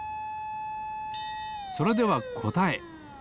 それではこたえ。